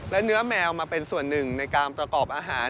และเนื้อแมวมาเป็นส่วนหนึ่งในการประกอบอาหาร